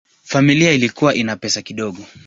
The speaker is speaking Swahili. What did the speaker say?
Familia ilikuwa ina pesa kidogo.